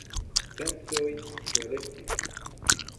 Pensoj forestis.